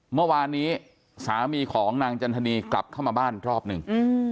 เมื่อวานนี้สามีของนางจันทนีกลับเข้ามาบ้านรอบหนึ่ง